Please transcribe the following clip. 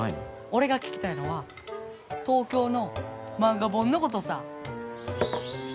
俺が聞きたいのは東京の漫画本のことさぁ。